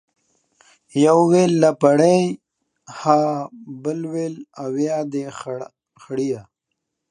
يوه ويل لپړى ، ها بل ويل ، اويا دي خړيه.